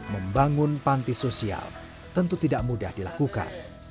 membangun panti sosial tentu tidak mudah dilakukan